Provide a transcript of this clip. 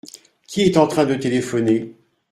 Qui est en train de téléphoner ?